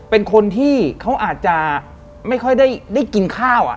เป็นคนที่เขาอาจจะไม่ค่อยได้กินข้าว